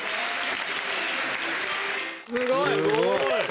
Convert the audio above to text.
すごい！